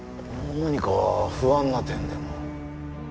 何か不安な点でも？